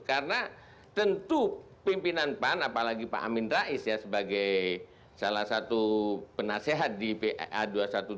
karena tentu pimpinan pan apalagi pak amin rais ya sebagai salah satu penasehat di pr dua ratus dua belas